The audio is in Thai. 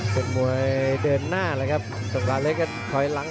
เป็นมวยเดินหน้าเลยครับสงราเล็กก็คอยล้าง